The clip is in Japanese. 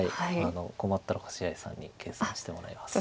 困ったら星合さんに計算してもらいます。